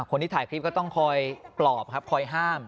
คนที่ถ่ายคลิปก็ต้องคอยปลอบครับคอยห้าม